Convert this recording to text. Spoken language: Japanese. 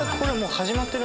始まってる。